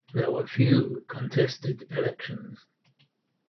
There were few contested elections.